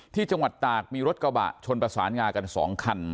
ที่จังหวัดตากมีรถกระบะชนประสานงากัน๒คัน